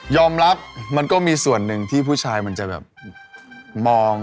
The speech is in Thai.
มันก็มีส่วนหนึ่งที่ผู้ชายมันจะแบบมอง